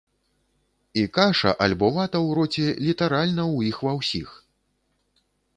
І каша альбо вата ў роце літаральна ў іх ва ўсіх.